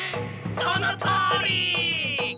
そのとおり！